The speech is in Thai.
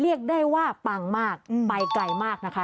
เรียกได้ว่าปังมากไปไกลมากนะคะ